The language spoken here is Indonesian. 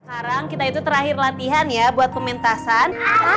sekarang kita itu terakhir latihan ya buat pementasan